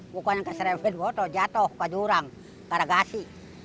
bukan ke serempit jatuh ke jurang ke ragasi